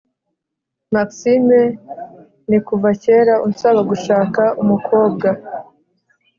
maxime nikuva kera unsaba gushaka umukobwa